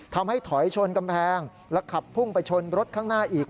ทำให้ถอยชนกำแพงและขับพุ่งไปชนรถข้างหน้าอีก